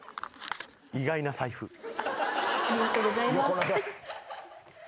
ありがとうございます。